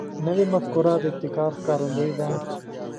نوې مفکوره د ابتکار ښکارندوی ده